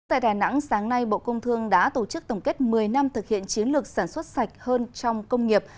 tại đà nẵng sáng nay bộ công thương đã tổ chức tổng kết một mươi năm thực hiện chiến lược sản xuất sạch hơn trong công nghiệp